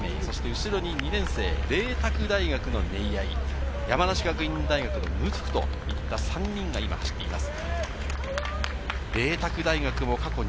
後ろ２年生、麗澤大学のネイヤイ、山梨学院大学のムトゥクといった３人が今、走っています。